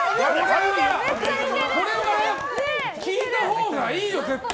これは聴いたほうがいいよ絶対。